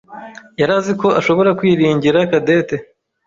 yari azi ko ashobora kwiringira Cadette.